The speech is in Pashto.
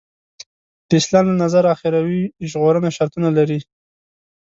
د اسلام له نظره اخروي ژغورنه شرطونه لري.